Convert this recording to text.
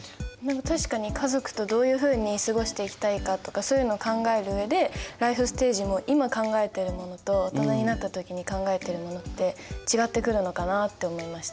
確かに家族とどういうふうに過ごしていきたいかとかそういうの考える上でライフステージも今考えてるものと大人になった時に考えてるものって違ってくるのかなって思いました。